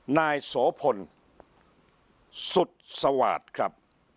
นายโสพลสุดสวาดครับ